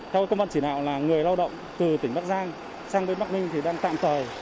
theo công an chỉ đạo là người lao động từ tỉnh bắc giang sang đến bắc ninh thì đang tạm thời